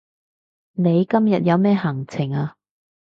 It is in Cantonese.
你今日有咩行程啊